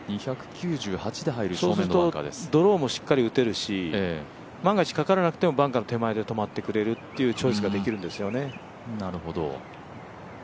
そうするとドローもしっかり打てるし、万が一、かからなくてもバンカーの手前で止まってくれるというチョイスができるんですよね。